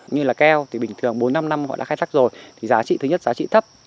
như là keo thì bình thường bốn năm năm họ đã khai thác rồi thì giá trị thứ nhất giá trị thấp